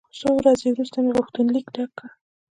څو ورځې وروسته مې غوښتنلیک ډک کړ.